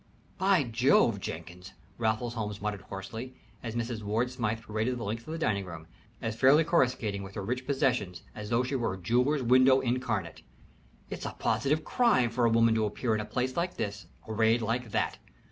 "By Jove! Jenkins," Raffles Holmes muttered, hoarsely, as Mrs. Ward Smythe paraded the length of the dining room, as fairly corruscating with her rich possessions as though she were a jeweller's window incarnate, "it's a positive crime for a woman to appear in a place like this arrayed like that.